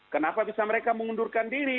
kenapa bisa mereka mengundurkan diri